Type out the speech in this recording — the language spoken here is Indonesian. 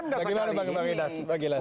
bagaimana pak bidas